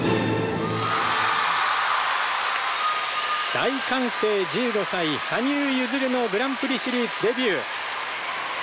大歓声１５歳羽生結弦のグランプリシリーズデビュー。